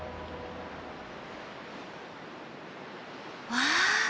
わあ！